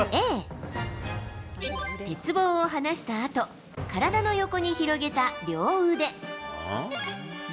Ａ、鉄棒を離したあと、体の横に広げた両腕。